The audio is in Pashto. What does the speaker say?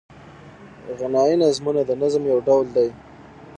غنايي نظمونه د نظم یو ډول دﺉ.